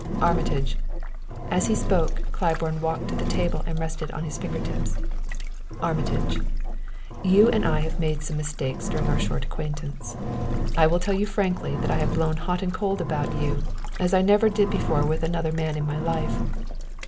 "Armitage" as he spoke, Claiborne walked to the table and rested his finger tips on it "Armitage, you and I have made some mistakes during our short acquaintance. I will tell you frankly that I have blown hot and cold about you as I never did before with another man in my life.